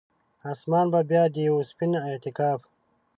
اسمان به بیا د یوه سپین اعتکاف،